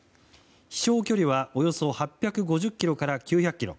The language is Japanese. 飛翔距離はおよそ８５０ｋｍから９００ｋｍ